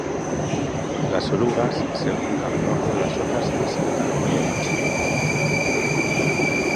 Las orugas se ocultan debajo de las hojas y salen a comer de noche.